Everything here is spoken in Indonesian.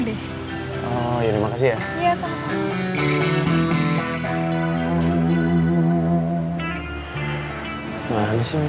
supaya kamu gak kena matahari